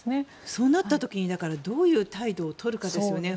そうなった時にどういう態度を取るかですね。